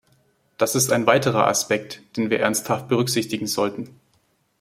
Das ist ein weiterer Aspekt, den wir ernsthaft berücksichtigen sollten.